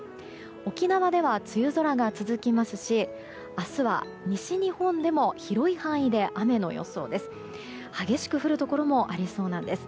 沖縄では梅雨空が続きますし明日は、西日本でも広い範囲で雨の予想です。